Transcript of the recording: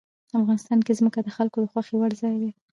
افغانستان کې ځمکه د خلکو د خوښې وړ ځای دی.